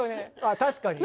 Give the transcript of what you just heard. あ確かに。